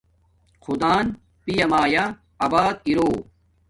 خدان پیامایا آباد ارو